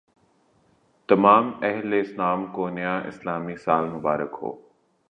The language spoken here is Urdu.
تمام اہل اسلام کو نیا اسلامی سال مبارک ہو